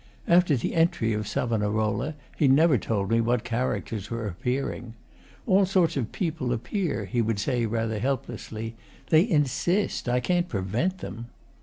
After the entry of Savonarola, he never told me what characters were appearing. 'All sorts of people appear,' he would say rather helplessly. 'They insist. I can't prevent them.